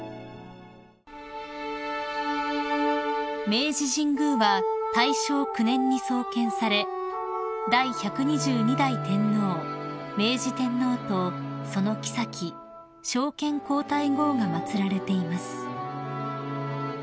［明治神宮は大正９年に創建され第１２２代天皇明治天皇とそのきさき昭憲皇太后が祭られています］